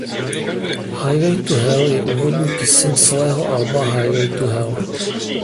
Highway to Hell je úvodní píseň celého alba Highway to Hell.